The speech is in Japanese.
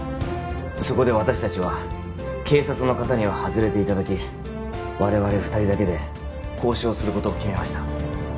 そこで私達は警察の方には外れていただき我々二人だけで交渉することを決めました